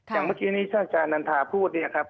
อย่างเมื่อกี้ท่านอาจารย์นันทาพูดครับ